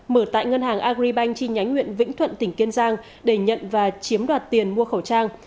năm triệu tám mươi bốn nghìn một trăm sáu mươi tám mở tại ngân hàng agribank trên nhánh huyện vĩnh thuận tỉnh kiên giang để nhận và chiếm đoạt tiền mua khẩu trang